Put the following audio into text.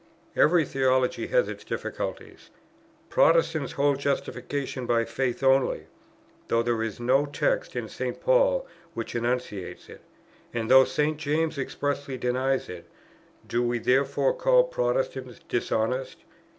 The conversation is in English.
Every theology has its difficulties; Protestants hold justification by faith only, though there is no text in St. Paul which enunciates it, and though St. James expressly denies it; do we therefore call Protestants dishonest?